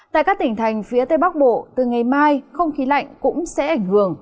tại các tỉnh thành phía tây bắc bộ từ ngày mai không khí lạnh cũng sẽ ảnh hưởng